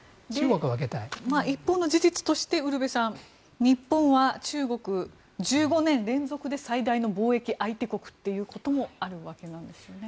一方の事実としてウルヴェさん、日本は中国が１５年連続で最大の貿易相手国というのもあるわけですね。